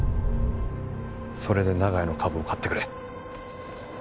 それで長屋の株を買ってくれ。